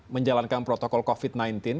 menjalankan protokol covid sembilan belas